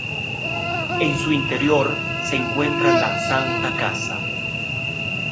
En su interior se encuentra la Santa Casa.